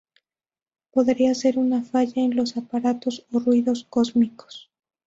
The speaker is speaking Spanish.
Podría ser una falla en los aparatos o ruido cósmico.